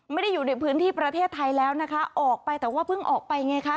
ไม่ได้อยู่ในพื้นที่ประเทศไทยแล้วนะคะออกไปแต่ว่าเพิ่งออกไปไงคะ